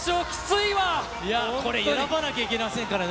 いや、これ、選ばなきゃいけませんからね。